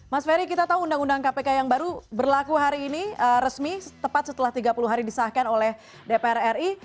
mas ferry kita tahu undang undang kpk yang baru berlaku hari ini resmi tepat setelah tiga puluh hari disahkan oleh dpr ri